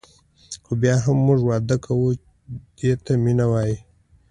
خو بیا هم موږ واده کوو دې ته مینه وايي.